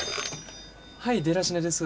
はいデラシネです。